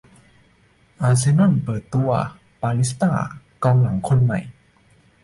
อาร์เซน่อลเปิดตัว "เปาลิสต้า" กองหลังคนใหม่